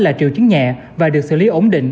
là triệu chứng nhẹ và được xử lý ổn định